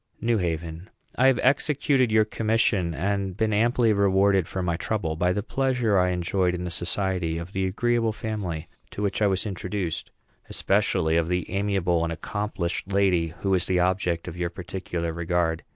NEW HAVEN. I have executed your commission, and been amply rewarded for my trouble by the pleasures I enjoyed in the society of the agreeable family to which I was introduced; especially of the amiable and accomplished lady who is the object of your particular regard.